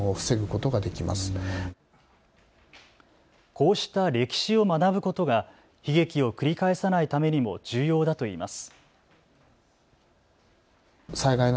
こうした歴史を学ぶことが悲劇を繰り返さないためにも重要だといいます。